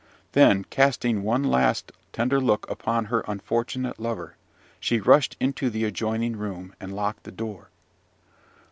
Then, casting one last, tender look upon her unfortunate lover, she rushed into the adjoining room, and locked the door.